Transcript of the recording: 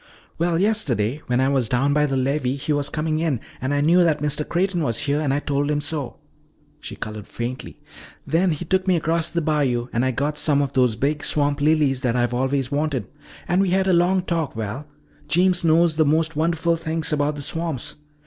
"Well, yesterday when I was down by the levee he was coming in and I knew that Mr. Creighton was here and I told him. So," she colored faintly, "then he took me across the bayou and I got some of those big swamp lilies that I've always wanted. And we had a long talk. Val, Jeems knows the most wonderful things about the swamps.